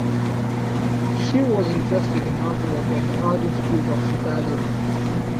She was interested in art work at the Art Institute of Chicago.